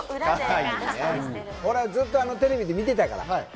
ずっとテレビで見てたから。